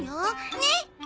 ねっ？